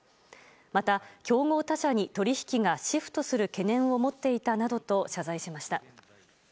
また、競合他社に取引がシフトする懸念を持っていたなどと謝罪しました。